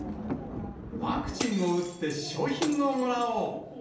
ワクチンを打って賞品をもらおう。